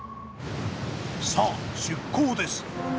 さあ出港です。